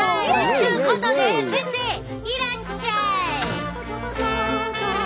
ちゅうことで先生いらっしゃい！